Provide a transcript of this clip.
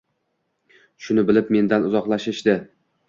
Shuni bilib mendan uzoqlashishdi.